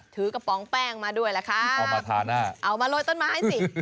ถือกระดับพร้อมแป้งมาด้วยเอามาโรยต้นไม้ให้สิ